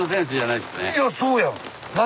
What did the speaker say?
いやそうやん！